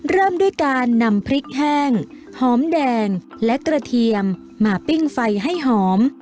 เริ่มด้วยการนำพริกแห้งหอมแดงและกระเทียมมาปิ้งไฟให้หอม